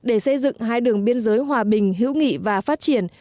để xây dựng hai đường biên giới hòa bình hữu nghị và phát triển